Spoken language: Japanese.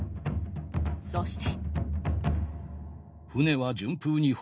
そして。